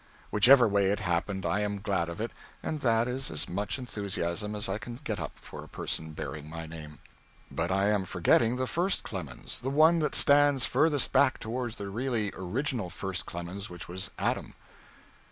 Whichever way it happened I am glad of it, and that is as much enthusiasm as I can get up for a person bearing my name. But I am forgetting the first Clemens the one that stands furthest back toward the really original first Clemens, which was Adam.